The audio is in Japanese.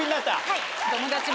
はい。